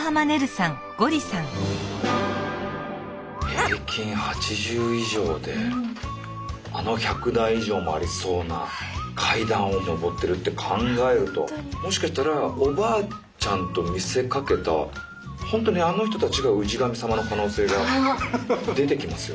平均８０以上であの１００段以上もありそうな階段を上ってるって考えるともしかしたらおばあちゃんと見せかけたホントにあの人たちが氏神様の可能性が出てきますよ。